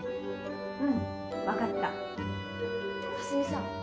うん分かった蓮見さん